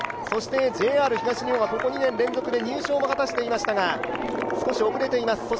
そしてＪＲ東日本はここ２年連続で入賞を果たしていましたが、少し遅れています。